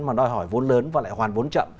mà đòi hỏi vốn lớn và lại hoàn vốn chậm